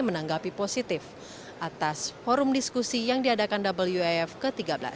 yang dianggapi positif atas forum diskusi yang diadakan wif ke tiga belas